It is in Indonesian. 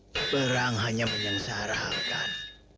perang hanya menyengsara akan